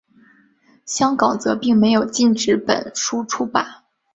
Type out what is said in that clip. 香港则并没有禁止本书出版。